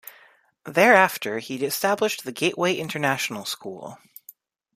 There after he established the Gateway International School.